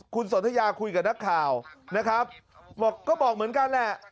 คุณสนทยาคุยกับนักข่าวนะครับบอกก็บอกเหมือนกันแหละ